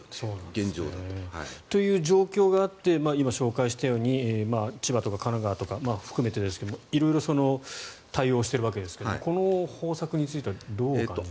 現状だと。という状況があって今、紹介したように千葉とか神奈川とか含めてですが色々対応しているわけですがこの方策についてはどうですか？